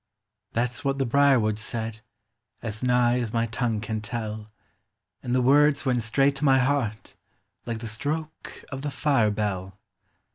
That 's what the brier wood said, as nigh as my tongue can tell, And the words went straight to my heart, like the stroke of the fire bell.